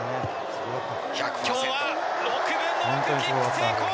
きょうは６分の６、キック成功。